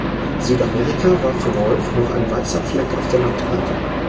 Südamerika war für Rolf noch ein weißer Fleck auf der Landkarte.